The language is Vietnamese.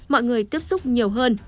mọi người tiếp xúc nhiều hơn